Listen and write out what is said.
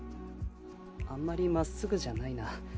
あんまり真っすぐじゃないな。